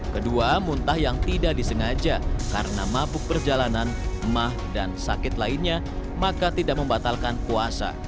kedua muntah yang tidak disengaja karena mabuk perjalanan emah dan sakit lainnya maka tidak membatalkan puasa